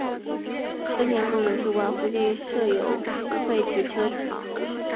世田谷美术馆附近设有付费停车场。